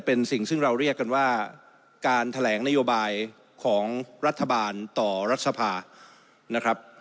เป็นสิ่งซึ่งเราเรียกกันว่าการแถลงนโยบายของรัฐบาลต่อรัฐสภานะครับ